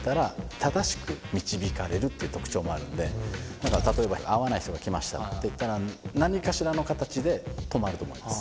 ていう特徴もあるんで例えば合わない人が来ましたっていったら何かしらの形で止まると思います。